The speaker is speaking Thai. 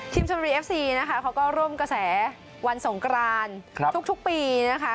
ชนบุรีเอฟซีนะคะเขาก็ร่วมกระแสวันสงกรานทุกปีนะคะ